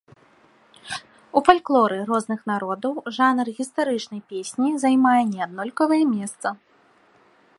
У фальклоры розных народаў жанр гістарычнай песні займае неаднолькавае месца.